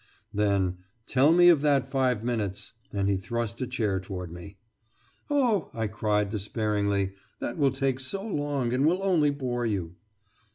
Then, "Tell me of that five minutes," and he thrust a chair toward me. "Oh," I cried, despairingly, "that will take so long, and will only bore you.